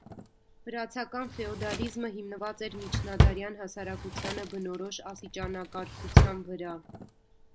Վրացական ֆեոդալիզմը հիմնված էր միջնադարյան հասարակությանը բնորոշ աստիճանակարգության վրա։